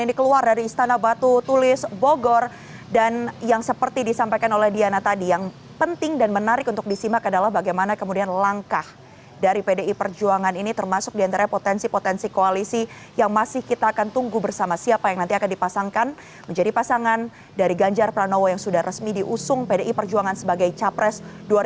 ini keluar dari istana batu tulis bogor dan yang seperti disampaikan oleh diana tadi yang penting dan menarik untuk disimak adalah bagaimana kemudian langkah dari pdi perjuangan ini termasuk diantara potensi potensi koalisi yang masih kita akan tunggu bersama siapa yang nanti akan dipasangkan menjadi pasangan dari ganjar pranowo yang sudah resmi diusung pdi perjuangan sebagai capres dua ribu dua puluh empat